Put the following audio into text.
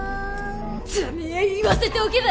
てめえ言わせておけば！